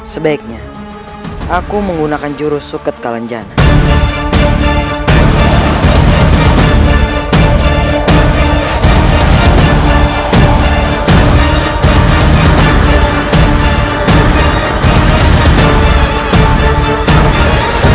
sebaiknya aku menggunakan jurus suket kalenjana